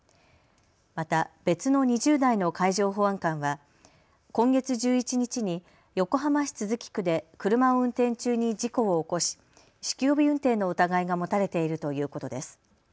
また別の２０代の海上保安官は今月１１日に横浜市都筑区で車を運転中に事故を起こし酒気帯び運転の疑いが持たれているということです。